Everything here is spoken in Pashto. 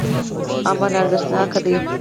امن ارزښتناک دی.